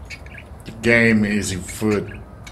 The game is afoot